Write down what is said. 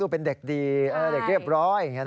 เป็นเด็กดีเด็กเรียบร้อย